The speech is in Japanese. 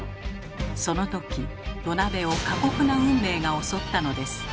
その時土鍋を過酷な運命が襲ったのです。